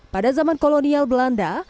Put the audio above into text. pada zaman kolonial belanda